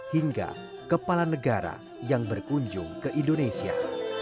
hingga kepala negara yang berkunjung ke indonesia